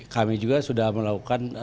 kami juga sudah melakukan